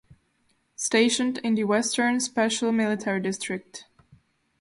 Stationed in the Western Special Military District.